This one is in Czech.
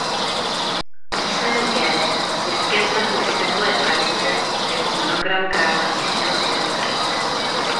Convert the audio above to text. Písmeno „G“ v městském znaku vysvětluje tradice jako monogram krále Jiřího z Poděbrad.